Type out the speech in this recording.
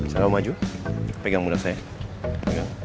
saya mau maju pegang menurut saya